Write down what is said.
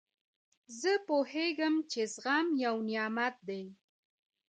زه پوهېږم، چي زغم یو نعمت دئ.